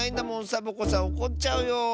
サボ子さんおこっちゃうよ。